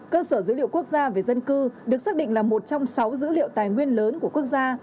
cơ sở dữ liệu quốc gia về dân cư được xác định là một trong sáu dữ liệu tài nguyên lớn của quốc gia